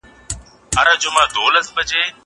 ځان ته مي حيران کي راته وخاندي